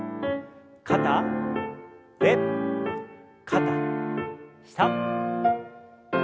肩上肩下。